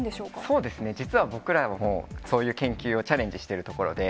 そうですね、実は僕らもそういう研究をチャレンジしているところで。